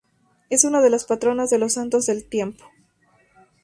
Es una de las patronas de los santos del tiempo.